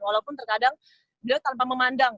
walaupun terkadang beliau tanpa memandang